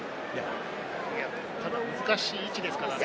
ただ難しい位置ですからね。